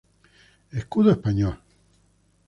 Escudo español.